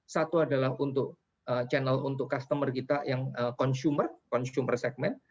satu adalah untuk channel untuk customer kita yang consumer consumer segment